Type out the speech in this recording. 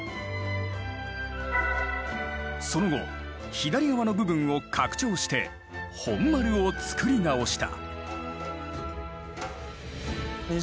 その後左側の部分を拡張して本丸を造り直した。